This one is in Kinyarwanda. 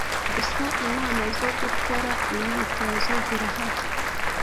Gusa inama zo gukora imyitozo zirahari